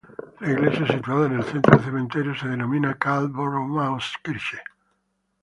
La iglesia situada en el centro del cementerio se denomina "Karl-Borromäus-Kirche".